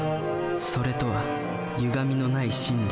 「それ」とはゆがみのない真理。